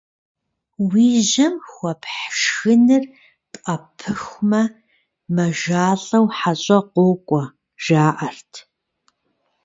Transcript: Уи жьэм хуэпхь шхыныр пӀэпыхумэ, мажалӀэу хьэщӀэ къокӀуэ жаӀэрт.